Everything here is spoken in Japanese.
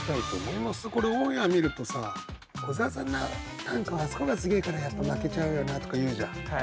これオンエア見るとさ「小沢さんの短歌はあそこがすげえからやっぱ負けちゃうよな」とか言うじゃん。